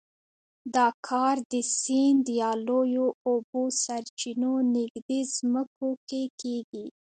دا کار د سیند یا لویو اوبو سرچینو نږدې ځمکو کې کېږي.